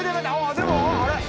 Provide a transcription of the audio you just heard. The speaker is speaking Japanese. でもあれ？